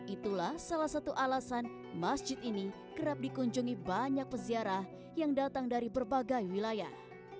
itulah salah satu alasan masjid ini kerap dikunjungi banyak peziarah yang datang dari berbagai wilayah